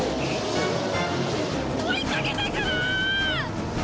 追いかけてくる！